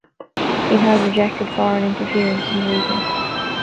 It has rejected foreign interference in the region.